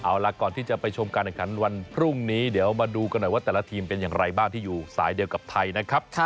เอาล่ะก่อนที่จะไปชมการแข่งขันวันพรุ่งนี้เดี๋ยวมาดูกันหน่อยว่าแต่ละทีมเป็นอย่างไรบ้างที่อยู่สายเดียวกับไทยนะครับ